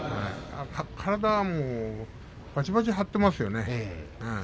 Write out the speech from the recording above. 体はばちばち張っていますよね。